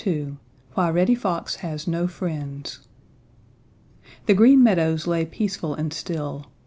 II WHY REDDY FOX HAS NO FRIENDS The Green Meadows lay peaceful and still.